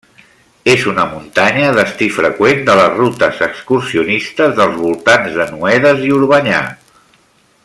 És una muntanya destí freqüent de les rutes excursionistes dels voltants de Noedes i Orbanyà.